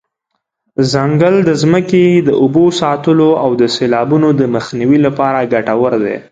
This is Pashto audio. ځنګل د ځمکې د اوبو ساتلو او د سیلابونو د مخنیوي لپاره ګټور دی.